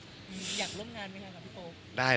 อยากร่วมงานไหมคะกับพี่โป๊